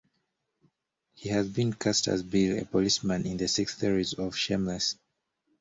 He has been cast as Bill, a policeman in the sixth series of Shameless.